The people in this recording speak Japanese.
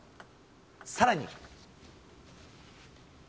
さらに。